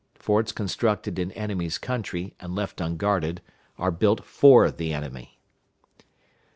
Forts constructed in an enemy's country, and left unguarded, are built for the enemy.